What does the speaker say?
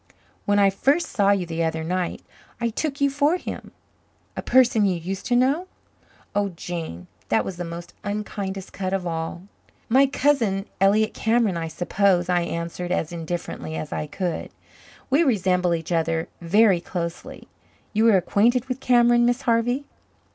When I first saw you the other night I took you for him." A person you used to know! Oh, Jane, that was the most unkindest cut of all. "My cousin, Elliott Cameron, I suppose?" I answered as indifferently as I could. "We resemble each other very closely. You were acquainted with Cameron, Miss Harvey?"